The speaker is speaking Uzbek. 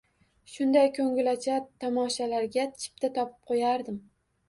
Shunday ko'ngilochar tomoshalarga chipta topib qo'yardim